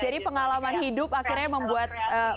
jadi pengalaman hidup akhirnya membuat